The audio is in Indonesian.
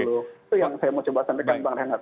itu hal yang saya mau coba tegarkan bang renat